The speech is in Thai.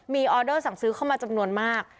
มีออเดอร์สั่งซื้อเข้ามาจำนวนมาก